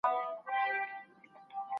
ژوندي پاته کیدل د هر ژوندي موجود جبلت دی.